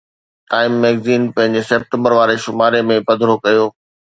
time magazine پنهنجي September واري شماري ۾ پڌرو ڪيو